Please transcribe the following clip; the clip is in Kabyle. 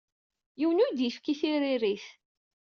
Yiwen ur iyid-yefki tiririt.